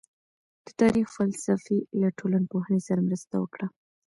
د تاريخ فلسفې له ټولنپوهنې سره مرسته وکړه.